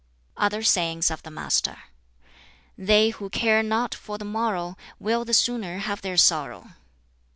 Other sayings of the Master: "They who care not for the morrow will the sooner have their sorrow.